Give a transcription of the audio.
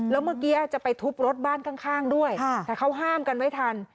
แล้วเมื่อกี้จะไปทุบรถบ้านข้างด้วยแต่เขาห้ามกันไว้ทัน